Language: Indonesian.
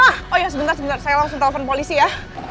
ah oh ya sebentar sebentar saya langsung telepon polisi ya